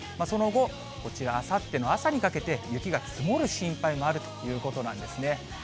その後、こちらあさっての朝にかけて、雪が積もる心配もあるということなんですね。